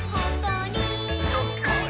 「ほっこり」